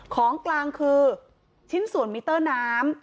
ของกลางคือชิ้นส่วนมิเตอร์น้ำ